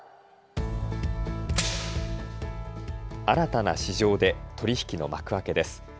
新たな市場で取り引きの幕開けです。